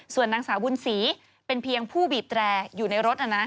ส่วนนางสาวบุญศรีเป็นเพียงผู้บีบแตรอยู่ในรถ